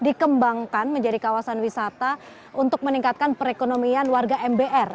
jadi ini dikembangkan menjadi kawasan wisata untuk meningkatkan perekonomian warga mbr